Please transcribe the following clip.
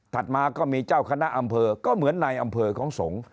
มาก็มีเจ้าคณะอำเภอก็เหมือนในอำเภอของสงฆ์